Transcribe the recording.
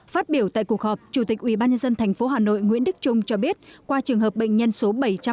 phát biểu tại cuộc họp chủ tịch ubnd tp hà nội nguyễn đức trung cho biết qua trường hợp bệnh nhân số bảy trăm bốn mươi